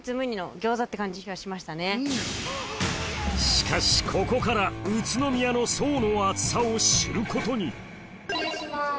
しかしここから宇都宮の層の厚さを知ることにえ！